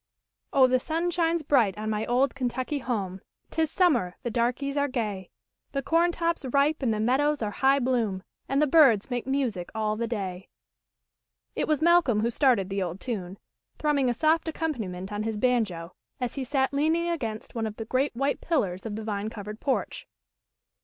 u Oh, the sun shines bright on my old Kentucky home, 'Tis summer, the darkies are gay, The corn top's ripe and the meadows are hi bloom, And the birds make music all the day." IT was Malcolm who started the old tune, thrum ming a soft accompaniment on his banjo, as he sat leaning against one of the great white pillars of the vine covered porch.